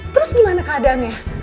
terus gimana keadaannya